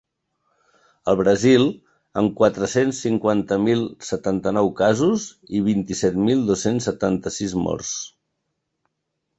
El Brasil, amb quatre-cents cinquanta mil setanta-nou casos i vint-i-set mil dos-cents setanta-sis morts.